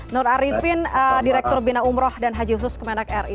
nur arifin direktur bina umroh dan haji khusus kemenak ri